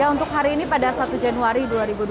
untuk hari ini pada satu januari dua ribu dua puluh